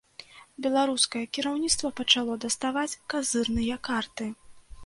Беларускае кіраўніцтва пачало даставаць казырныя карты.